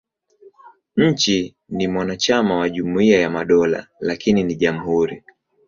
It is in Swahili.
Nchi ni mwanachama wa Jumuiya ya Madola, lakini ni jamhuri.